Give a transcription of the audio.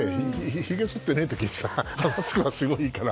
ひげをそってない時にマスクはすごくいいから。